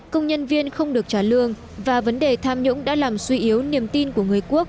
công nhân viên không được trả lương và vấn đề tham nhũng đã làm suy yếu niềm tin của người quốc